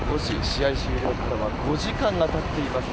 試合終了から５時間が経っています。